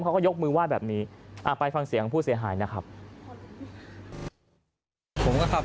เขาก็ยกมือไหว้แบบนี้ไปฟังเสียงผู้เสียหายนะครับ